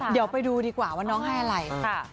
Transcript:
เดี๋ยวไปดูดีกว่าว่าน้องให้อะไร